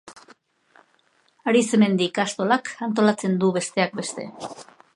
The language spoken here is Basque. Arizmendi ikastolak antolatzen du, besteak beste.